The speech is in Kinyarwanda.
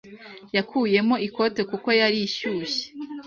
Yakuyemo ikoti kuko yari ishyushye.